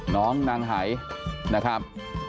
น้องนางหายนะครับ